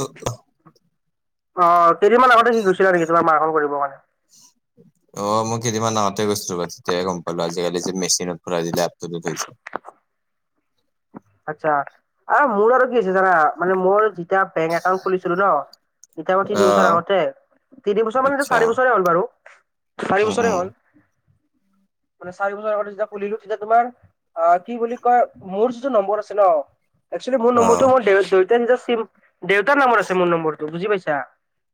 উ অ। অ কেইদিন মান আগতে সি গছিলা নেকি তোমাৰ মাৰন কৰিব কাৰণে? [inaudible] অ মই কেইদিনমান আগতে গৈছিলোঁ তেতিয়াই গম পালো আজিকালি যে মেচিনত ফুৰাই দিলে এপটো লৈছে। আচ্ছা অ মোৰ আৰু কি আছে জানা মানে মোৰ যেতিয়া বেংক একাউণ্ট খুলিছিলো ন এতিয়া তিনি বছৰ আহ আগতে তিনি বছৰ মানে আচ্ছা চাৰি বছৰে হ'ল বাৰু। চাৰি উম বছৰে উম হ'ল। মানে চাৰি বছৰ আগত যেতিয়া খুলিলো তেতিয়া তোমাৰ অ কি বুলি কয় মোৰ যিটো নম্বৰ আছে ন একচুৱেলি মোৰ আহ নম্বৰটো মই দেউতাৰ নম্বৰ আছে মোৰ নম্বৰটো বুজি পাইছা।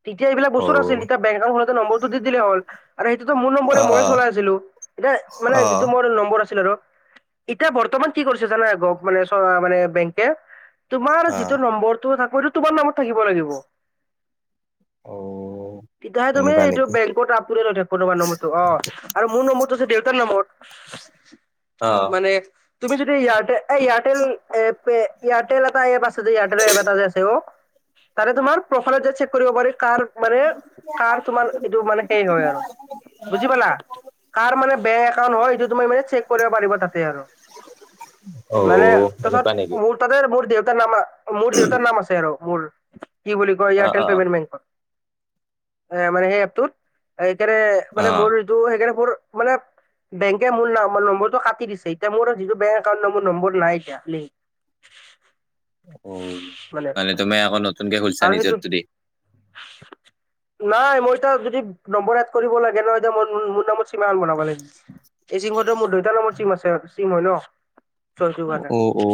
তেতিয়া এইবিলাক অ বস্তু নাছিল তেতিয়া বেংক‌ একাউণ্ট খোলোতে নম্বৰটো দি দিলে হ'ল আৰু সেইটোতো মোৰ অ নম্বৰে মই চলাই আছিলো। এতিয়া মানে অ যিটো মোৰ নম্বৰ আছিল আৰু এতিয়া বৰ্তমান কি কৰিছে জানা গ মানে চ মানে বেংকে তোমাৰ অ যিটো নম্বৰটো থাক সেইটো তোমাৰ নামত থাকিব লাগিব। অ তেতিয়াহে তুমি এনেকুৱা এইটো নেকি বেংকত আপটোদেত হৈ থাকিব তোমাৰ নাম্বাৰটো অ আৰু মোৰ নম্বৰটো আছে দেউতাৰ অ নম্বৰত মানে তুমি যদি ইয়াতে এ এয়াৰটেল এ এয়াৰটেল এটা এপ আছে যে এয়াৰটেল এপ এটা যে আছে অ। তাৰে তোমাৰ প্ৰফাইলত যায় চেক কৰিব পাৰি কাৰ মানে কাৰ তোমাৰ কিটো মানে সেই হয় আৰু। বুজি পালা? কাৰ মানে বেংক একাউণ্ট হয় সেইটো তুমি মানে চেক কৰিব পাৰিব তাতে আৰু। অ মানে তাৰপিছত সেনেকুৱা নেকি? মোৰ তাতে মোৰ দেউতাৰ নাম মোৰ দেউতাৰ নাম আছে আৰু মোৰ। কি বুলি কয় অ এয়াৰটেল অ পেমেণ্ট বেংকত মানে সেই এপ টোত সেইকাৰণে অ মানে মোৰ সেইকাৰণে মোৰ মানে বেংকে মোৰ নাম নাম্বাৰটো কাটি দিছে এতিয়া মোৰ যোনটো বেংক একাউণ্ট টো মোৰ নম্বৰ নাই এতিয়া। অ মানে তুমি আকৌ নতুনকে খলছা আৰু নিজৰ সেইটো টো দি। নাই মই এতিয়া যদি নম্বৰ এত কৰিব লাগে ন এতিয়া ম মোৰ নামৰ চিমা বনাব লাগিব এই চিমখনতো মোৰ দেউতাৰ নামত চিম আছে চিম হয় ন চ সেইটো কাৰণে অ অ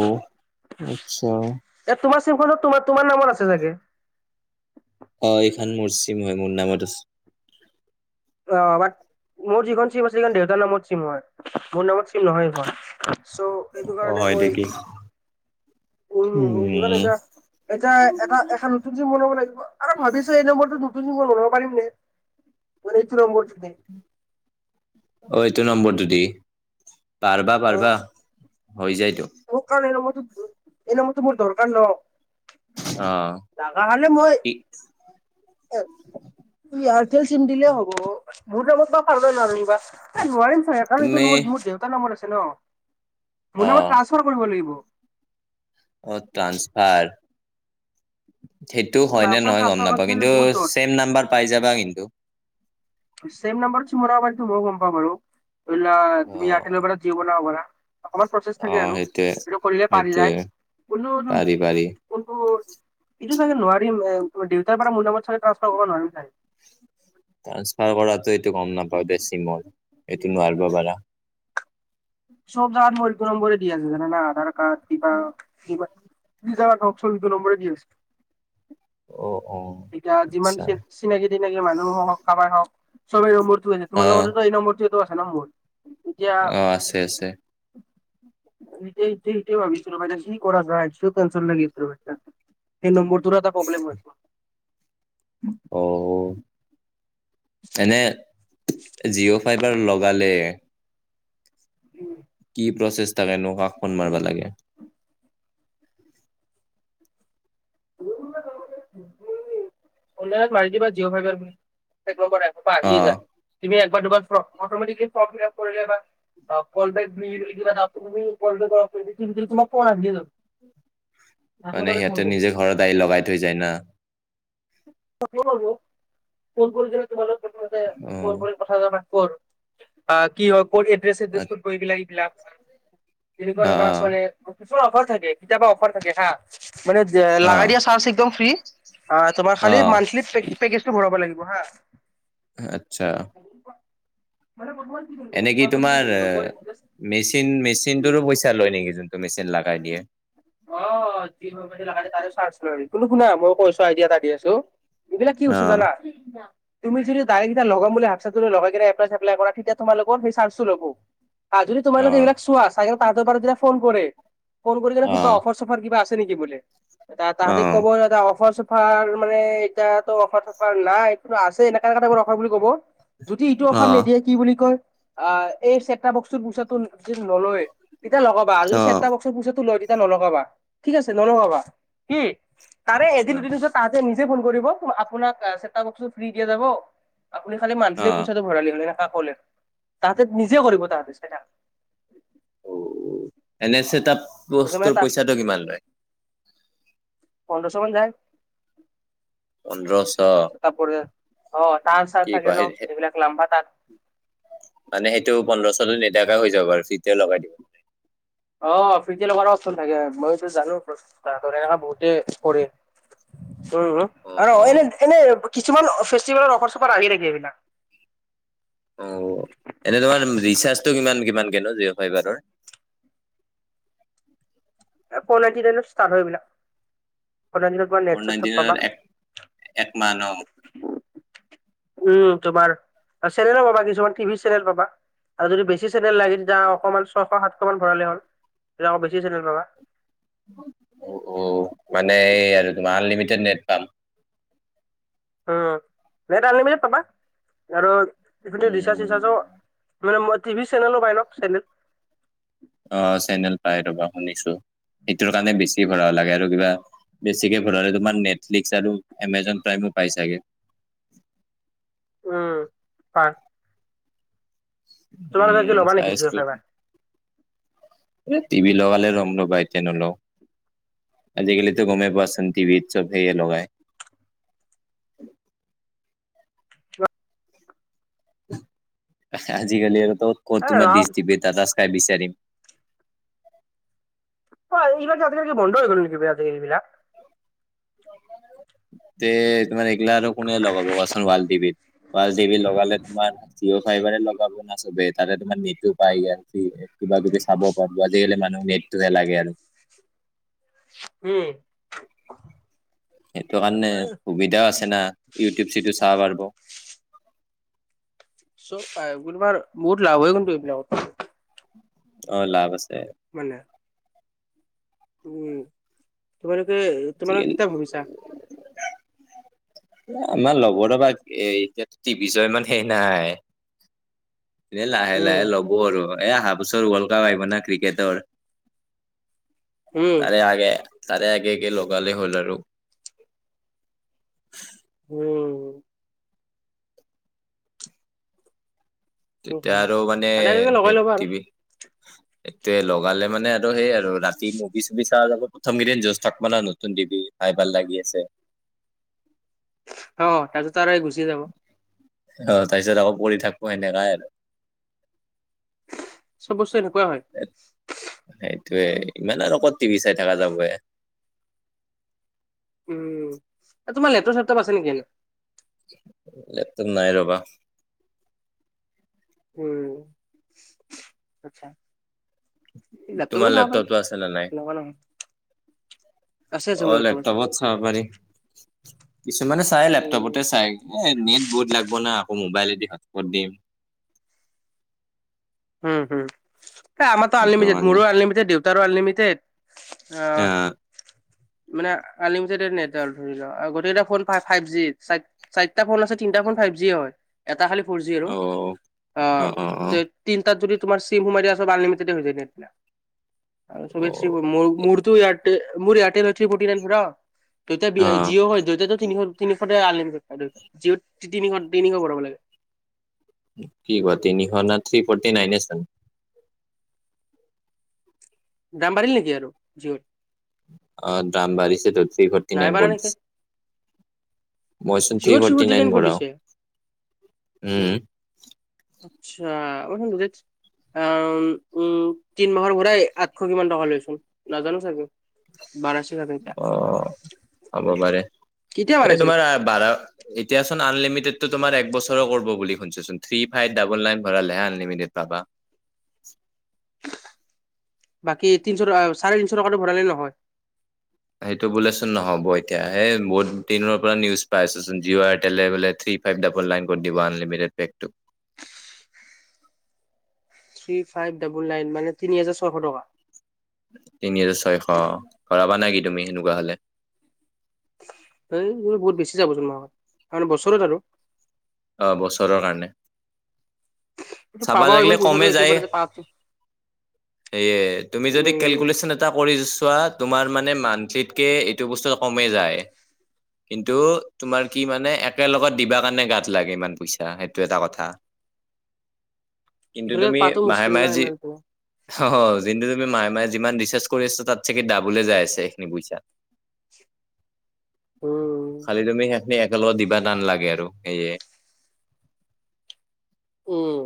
আচ্ছা এ তোমাৰ চিমখনৰ তুমা তোমাৰ নাম্বাৰ আছে ছাগে অ এইখন মোৰ চিম হয় মোৰ নামত আছে অ বাট মোৰ যিখন চিম আছিলে সেইখন দেউতাৰ নামত চিম হয় মোৰ নামত চিম নহয় সেইখন চ' সেইটো অ কাৰণে হয় মই নেকি উ উ ইমান উম এটা এতিয়া এটা এখন নতুন চিম বনাব লাগিব আৰু ভাবিছো এই নম্বৰটোত নতুন চিম বনাব পাৰিম নেকি? এইটো নম্বৰ অ এইটো নম্বৰটো দি পাৰবা অ পাৰবা। হৈ যায়তো। মোক কাৰণ এই নম্বৰটো, এই নম্বৰটো মোৰ দৰকাৰ ন,। অ লাগা হ'লে মই, ই এ এয়াৰটেল চিম দিলে হ'ব, [inaudible] বা, এই নোৱাৰিম। একাউণ্টো তুমি দেউতাৰ নম্বৰ আছে ন, অ মোৰ নামত ট্ৰান্সফাৰ কৰিব লাগিব। অ, ট্ৰান্সফাৰ। সেইটো হয় নাম নে চাম নহয় গম ট্ৰান্সফাৰ নাপাওঁ কৰাটো কিন্তু, বহুত জট ছেম নাম্বাৰ পাই যাবা কিন্তু। চেম নম্বৰ চি, বনাব পাৰি মইয়ো গম পাওঁ বাৰু, ধৰি লোৱা অ তুমি ইয়াৰটেল বা জিঅ বনাব পাৰা। অকমান প্ৰচেছ অ থাকে আৰু সেইটোয়ে সটো কৰিলে, পাৰি সেইটোয়ে যায় কোনো পাৰি পাৰি কিন্তু এইটো চাগে নোৱাৰিম ভাই, দেউতাৰ পৰা মোৰ নামত চাগে ট্ৰান্সফাৰ কৰিব নোৱাৰিম চাগে। ট্ৰান্সফাৰ কৰাটো এইটো গম নাপাওঁ দেই চিমৰ, এইটো নোৱাৰিব পাৰা। চব যাগাত মোৰ এইটো নম্বৰে দি আছে জানে ন, আধাৰ কাৰ্ড, কিবা কিবা, কি যাগাত অপচন সেইটো নম্বাৰে দিয়া অ অ এতিয়া, যিমান আচ্ছা চিনাকি-টিনাকি মানুহ হ'ওক, কাবাৰ হ'ওক। অ [unintelligible] আছে ন, মোৰ। এতিয়া অ, আছে আছে। [inaudible] ভাবিছিলো মানে যি কৰা যায়, কিয় টেনছন লাগি আছে ৰবা এই নম্বৰটোৰো, এটা প্ৰব্লেম হয়। অ, তেনে জিঅ, ফাইবাৰ লগালে। উম, কি প্ৰচেছ টা নগাক ফোন মাৰাবা লাগে। অনলাইনত মাৰি দিবা, জিঅ, ফাইবাৰ থাকিব পাৰে এইসোপা অ আহি যায়, তুমি একবাৰ দুবাৰ ফৰ্ম, অটমিতেকলি ফৰ্ম ফিল্পা কৰিলে বা ক'ৰ বেক [unintelligible] মানে সিহঁতে নিজে [unintelligible] ঘৰত আহি লগাই থৈ যায় ন,। [inaudible] ফোন কৰি যদি তোমাৰ লগত কথা পাতে, অ ও কথা-চথা পাতব আৰু আহ, কি হয় ক'ত এড্ৰেছ-চড্ৰেছ অ ক'ত গ, এইবিলাক-এইবিলাক তেনেকুৱা জেগাৰ ছোৱালীয়ে, কিছু অফাৰ থাকে, কেতিয়াবা অফাৰ থাকে হা। মানে অ অ লাগা দিয়া, চাৰ্জ একদম ফ্ৰী। আ তোমাৰ খালি অ মানথলি, পেকেজটো ভৰাব লাগিব হা। আচ্ছা মানে, বৰ্তমান এনেকি তোমাৰ, মেচিন-মেচিনটোৰো পইচা লয় নেকি? যোনটো মেচিন লগাই দিয়ে। অ, যি [inaudible] তুমি শুনা মই কৈছো, আইডিয়া এটা দি আছোঁ। এইবিলাক কি অ হৈছে জানা? তুমি যদি ডাইৰেক্ট লগাম বুলি ভাবছা, লগাই কেনে এপলাই-চেপলাই কৰা তেতিয়া তোমালোক সেই চাৰ্জটো ল'ব। আৰু যদি অ তোমালোকে এইবিলাক চোৱা, তাঁহাতৰ পৰা যদি ফোন কৰে। ফোন কৰি কেনে অ সুধিবা, অফাৰ-চফাৰ কিবা আছে নেকি বোলে, এটা অ অ তাহাঁতি ক'ব ন, এটা অফাৰ-চফ ফাৰ মানে এতিয়াতো অফাৰ-চফাৰ নাই, কিন্তু আছে এনেকা, এনেকা টাইপৰ অফাৰ বুলি ক'ব। যদি এইটো অ অফাৰ নিদিয়ে কি বুলি কয়। অ, এই চেটাপ বক্সটো পুচাটো যদি নলয়, তেতিয়া লগাবা, যদি আচ্ছা, চে পইচাটো, লয় তেতিয়া নলগাবা ঠিক আছে নলগাবা, উম, তাৰে এদিন দুদিন পি তাহতে নিজে ফোন কৰিব, আপোনাক চেটাপ বকচটো ফ্ৰ্ৰী দিয়া যাব। আপুনি খালি অ মান্থলি পইচাটো ভৰালি হ'লে, এনেকে ক'লে তাহাঁতে নিজে কৰিব, তাহাঁতে চ অঁ এনে চেটাপ সেইটো মানে বস্তুৰ তাৰ পইচাটো কিমান লয়? পোন্ধৰশ মান যায়। পোন্ধৰশ। অঁ তাঁৰ চাহ কি থাকে কোৱা ন, সেই- সেই- এইবিলাক লাম্বা তাঁৰ। মানে সেইটো পোন্ধৰশ নেদাকে হৈ যাব আৰু ফ্ৰিটে লগাই দিব। অঁ ফ্ৰিটে লগাৰো অপচন থাকে, মইতো জানো প্ৰচেছটা, এনেকা বহুতেই কৰে। উম অ আৰু অ এনে এনে কিছুমান ফেষ্টিভেলৰ অফাৰ চফাৰ আহি থাকি এইবিলাক। অঁ এনেই তোমাৰ ৰিচাৰ্জটো কিমান কিমান কে লয় জিঅ' ফাইভাৰৰ? ফৰ নাইন্টি নাইনত ষ্টাৰ্ট হয় এই বিলাক। পুৰণা দিনত- ফৰ নাইন্টি নাইনত এক মাহ ন। উম তোমাৰ চেনেলো পাবা কিছুমান টিভি চেনেল পাবা আৰু যদি বেছি- বেছি চেনেল লাগি তেতিয়া অকণমান ছয়শ, সাতশ মান ভৰালে হল তেতিয়া বেছি চেনেল পাবা। অঁ অঁ মানে এই আৰু তোমাৰ আনলিমিটেড নেট পাম। উম নেট আনলিমিটেড পাবা আৰু ৰিচাৰ্জ উম চিচাৰ্জৰ- মানেই টভি চেনেলো পাই ন চেনেল। অঁ চেনেল পাই ৰবা শুনিছো, সেইটোৰ কাৰণে বেছি ভৰাব লাগে আৰু কিবা- বেছিকে ভৰালে তোমাৰ নেটফ্লিক্স আৰু এমজন প্ৰাইমো পাই চাগে। উম, হয়। তোমালোকে কি উম ল'বা নেকি জিঅ' চাইছিলো। ফাইবাৰ টিভি লগালে লম ৰবা এতিয়া নলওঁ। আজিকালিটো গমেই পোৱা চোন টিভিত চবেই লগাই। আজিকালি আৰু ত ক'ত এ তোমাৰ ৰাম দিছ টিবি টাটা স্কাই বিচাৰিম। অঁ এইবিলাক যে আজিকালি যে বন্ধ হৈ গল নেকি বে আজিকালি এইবিলাক। তে তোমাৰ এগিলা আৰু কোনে লগাব কোৱাচোন ৱাল টিভি। ৱাল টিভি লগালে তোমাৰ জিঅ' ফাইভাৰে লগাব না চবে। তাতে তোমাৰ নেটো পায় কিবা কিবি চাব পাব। আজিকালি মানুহ নেটটোহে লাগে আৰু। উম। সেইটো কাৰণে সুবিধাও আছে না ইউটিউব চিউটিউব চাব পাৰিব। চব পাই, বহুত লাভ হৈ গল এইবিলাকৰ। অঁ লাভ আছে। মানে- উম তোমালোকে তোমালোকৰ আজিকালি কেতিয়া ভাবিছা? আমাৰ লগৰ এতিয়া টিভি চোৱা ইমান হেই নাই। এনে লাহে লাহে উম ল'ব আৰু এয়া অহা বছৰ ৱৰ্ল্ড কাপ আহিব না ক্ৰিকেটৰ। উম তাৰে আগে তাৰে আগে আগে লগালে হ'ল আৰু। উম। উম। তেতিয়া আৰু মানে আগে আগে লগাই লবা আৰু। এতিয়া লগালে মানে আৰু সেই আৰু ৰাতি মুভি চুভি চোৱা যাব, প্ৰথম কেইদিন যজ থাকিব ন নতুন টিভি। খাই ভাল লাগি আছে। অঁ তাৰপিছতো আৰু এই গুচি যাব। অঁ তাৰপিছত আকৌ পঢ়ি থাকো সেনেকাই আৰু। চব বস্তু এনেকুৱাই হয়। সেইটোয়ে ইমান আৰু কত টিভি চাই থকা যাব হে। উম, এ তোমাৰ লেপটপ চেপটপ আছে নেকি? লেপটপ নাই ৰবা। উম', আচ্ছা। তোমাৰ লেপটপটো চাব পাৰি, আছে নে নাই? তেনেকা নহয়। আছে তোমাৰ অ' লেপটপত? লেপটপত চাব পাৰি? কিছুমানে চাই উম লেপটপতে চাই, এই নেট বহুত লাগব না আকৌ মোবাইলেদি হটস্পট দিম। হুম-হুম, এ', আমাৰতো সেইটো আনলিমিটেড, কাৰণে মোৰো আনলিমিটেড দেউতাৰো আনলিমিটেড। আহ',। মানে আনলিমিটেডেড নেটৱৰ্ক ধৰিল গোটেইকেইটা ফোন ফাইভ-ফাইভ জি সাইড চাৰিটা ফোন আছে তিনিটা ফোন ফাইভ জিয়ে হয়, এটা খালি ফৌৰ জি আৰু অ' অ', ঠিক তিনতাত যদি তোমাৰ চিম সোমাই দিয়া আছে বা আনলিমিটেডে হৈ যায় নেটবিলাক আৰু চবে চি অ' মোৰ-মোৰতো এয়াৰটে- মোৰ এয়াৰটেল হয় থ্ৰী ফৰ্টি নাইন ভৰাও, তেতিয়া বি ই অ' জিঅ হয় যতে-ততে তিনিশ-তিনিশতে আনলিমিটেড হয় জিঅ'খন, জিঅ'ত তিনিশ-তিনিশ ভৰাব লাগে। কি কোৱা তিনিশ না থ্ৰী ফৰ্টি নাইনে চোন। দাম বাঢ়িল নেকি আৰু জিঅ'ৰ? আহ', দাম বাঢ়িছে তো, থ্ৰী ফৰ্টি নাই নাইন বাঢ়া কৰি নেকি দিছে। মই চোন থ্ৰী ফৰ্টি নাইন ভৰাও উম',। আচ্ছা ও হো [unintelligible] অ', -উম', -উম', তিন মাহৰ ভৰাই আঠশ কিমান টকা লৈ চোন, নাজানোঁ চাগে। বাঢ়াইছিলা কেতিয়া, অ' কেতিয়া ভৰাইছিল? বাঢ়া এতিয়া চোন আনলিমিটেডটো তোমাৰ এক বছৰৰ কৰব বুলি শুনিছোঁ চোন থ্ৰী ফাইভ ডাবল নাইন ভৰালেহে আনলিমিটেড পাবা। বাকী এই', তিনিশ ট- আ', চাৰেতিশ টকাতো ভৰালে নহয়? সেইটো বোলেচোন নহ'ব এতিয়া, সেই বহুত দিনৰ পৰা নিউজ পাই আছোঁ চোন জিঅ' এয়াৰটলে বোলে থ্ৰী ফাইভ ডাবল নাইন কৰি দিব আনলিমিটেড পেকটো। থ্ৰী ফাইভ ডাবল নাইন মানে তিনি হাজাৰ ছয়শ টকা? তিনি হাজাৰ ছয়শ অ', কৰাবা নেকি তুমি এনেকুৱা হ'লে? এই বহু-বহুত বেছি যাব যোন মাহত, কাৰণ বছৰত আৰু। অ', বছৰৰ কাৰণে। কিন্তু চাবা পাবা লাগিলে ইমান পইচাটো কমে যায়। একেবাৰতে পাতো সেয়ে তুমি যদি উম কেলকুলেশ্যন এট এটা কৰি চোৱা তোমাৰ মানে মান্থলিত কে এইটো বস্তু কমেই যায়। কিন্তু তোমাৰ কি মানে একে লগত দিবা কাৰণে গাত গাত লাগে ইমান পইচা, সেইটো এটা কথা। কিন্তু একেলগে তুমি পাতো মুস্কিল মাহে-মাহে নাই যি। ইমান তোমাৰ অ', -অ', যোনটো তুমি মাহে-মাহে যিমান ৰিচাৰ্ছ কৰি আছোঁ তাত চাগি ডাবলে যায় আছে সেইখিনি পইছা। উম',। খালি তুমি সেইখিনি একেলগত দিবা টান লাগে আৰু সেয়ে। উম',।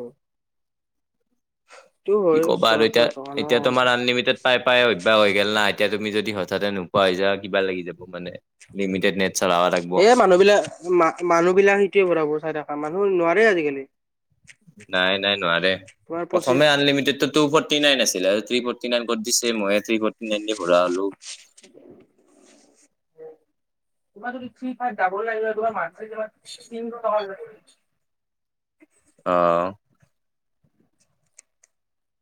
সেইটো কি হয় ক'বা আৰু ছয়শ টকা ন এতিয়া-এতিয়া তোমাৰ আনলিমিটেড। পাই-পাই অভ্যাস হৈ গে'ল না, এতিয়া তুমি যদি হঠাতে নোপোৱা হৈ যোৱা কিবা লাগি যাব মানে। লিমিটেড নেট চলাব লাগব। এ মানুহ বিলা-মা-মানুহ বিলাক সেইটোৱে ভৰাব চাই থকা, মানুহ নোৱাৰে আজিকালি। নাই-নাই নোৱাৰে, তোমাৰ পঁচিশ প্ৰথমে আনলিমিটেডটো। টু ফৰ্টি নাইন আছিলে আৰু থ্ৰী ফৰ্টি নাইন ক'ৰ দিছে মই থ্ৰী ফৰ্টি নাইন। [inaudible] ভৰা হ'লো তোমাৰ যদি থ্ৰী, ফাইভ ডাবোল আহিলে তোমাৰ মান্থেলী তোমাৰ তিনি টকা হৈ গ'ল হ'লে [unintelligible] অ'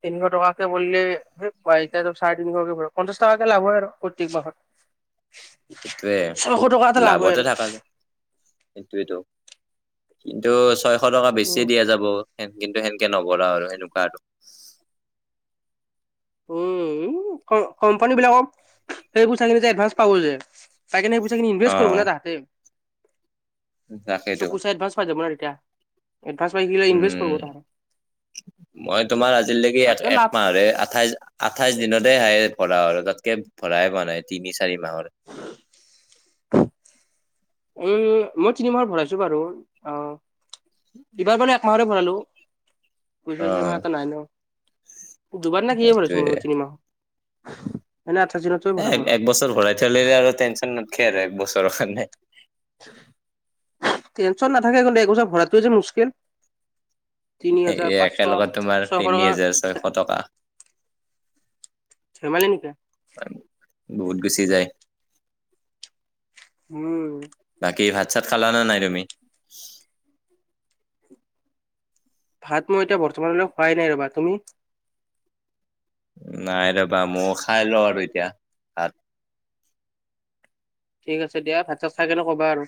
তিনিশ টকাকে পৰিলে সেই বা এতিয়াটো চাৰে তিনিশকে পৰিব, পঞ্চাশ টকাকে লাভ হয় আৰু প্ৰত্যেক মাহত। [inaudible] সেইটোৱে ছশ টকা এটা লাভ হয় লাভতে আৰু থকা যায়। সেইটোৱেটো। কিন্তু ছয়শ টকা উম বেছিয়ে দিয়া যাব। সেন, কিন্তু সেনকে নকৰাও আৰু সেনেকুৱা আৰু। উম' কোম-কোম্পানী বিলাকক সেইবোৰ চেলেৰী যে এডভান্স পাব যে পাই কেনে সেই পইচাখিনি অ ইনভেষ্ট কৰিব না তাহাঁতি। চব তাকেইতো পইচা এডভান্স পাই যাব না তেতিয়া। এডভান্স পাই গিলে ইনভেষ্ট উম কৰিব তাহাঁতে। মই তোমাৰ আজিলৈকে তাতে লাভ এক-একমাহৰে আঠাইশ আঠাইশ দিনতে হায়েষ্ট ভৰা হয় আৰু তাতকে ভৰাই পোৱা নাই, তিনি চাৰি মাহৰ। উম', মই তিনিমাহৰ ভৰাইছো বাৰু অ' এইবাৰ মানে একমাহৰে ভৰালোঁ, বুজি অ পাইছে মানে এটা নাইনৰ। দুবাৰ নে কিয়ে ভৰাইছোঁ সেইটোয়ে মইও তিনিমাহৰ, এনে আঠাইশ দিনৰটোৱে ভৰাও মইয়ো। [unintelligible] চলিলে আৰু টেনশ্যন নাথাকে আৰু এক বছৰৰ কাৰণে। টেনশ্যন নাথাকে, কিন্তু একবছৰ ভৰাটোৱে যে মুস্কিল। তিনি হাজাৰ এই পাঁচশ, একেলগত তোমাৰ ছয়শ তিনি টকা হেজাৰ ছয়শ আছে। টকা ধেমালি নেকি? বহুত গুচি যায়। উম' বাকী ভাত-চাত খালা নে নাই তুমি? ভাত মই এতিয়া বৰ্তমানলৈ খোৱাই নাই ৰ'বা। তুমি নাই ৰ'বা, মইয়ো খাই লওঁ আৰু এতিয়া। ঠিক আছে দিয়া, ভাত-চাত খাই কেনে ক'বা আৰু।